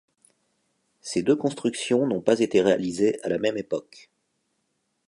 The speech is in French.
Ces deux constructions n'ont pas été réalisées à la même époque.